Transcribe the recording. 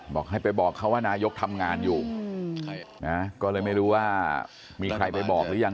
บอกให้ไปบอกเขาว่านายกทำงานอยู่นะก็เลยไม่รู้ว่ามีใครไปบอกหรือยัง